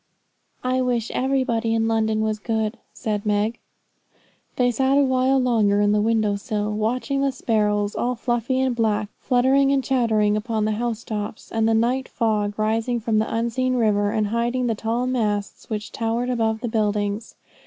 'I wish everybody in London was good,' said Meg. They sat a while longer on the window sill, watching the sparrows, all fluffy and black, fluttering and chattering upon the house tops, and the night fog rising from the unseen river, and hiding the tall masts, which towered above the buildings.